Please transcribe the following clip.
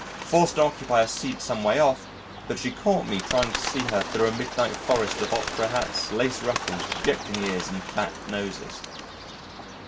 Forced to occupy a seat some way off, but she caught me trying to see her thro' a midnight forest of opera hats, lace ruffles, projecting ears and fat noses.